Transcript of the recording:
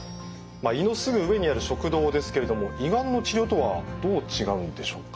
胃のすぐ上にある食道ですけれども胃がんの治療とはどう違うんでしょうか？